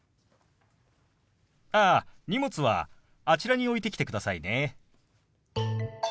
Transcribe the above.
ああ荷物はあちらに置いてきてくださいね。